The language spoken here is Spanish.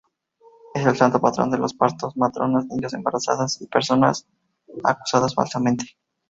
Es el santo patrón de los partos, matronas, niños, embarazadas y personas acusadas falsamente.